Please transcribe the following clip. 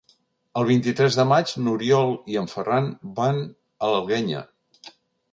El vint-i-tres de maig n'Oriol i en Ferran van a l'Alguenya.